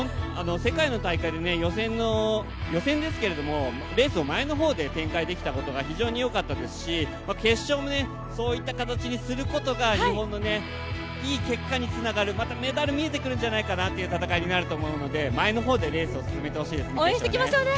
世界の大会で予選ですけどもレースを前の方で展開できたことが非常によかったですし、決勝もそういった形にすることが日本のいい結果につながるまたメダル見えてくるんじゃないかなっていう戦いになると思いますので前の方でレースを進めてほしいですね。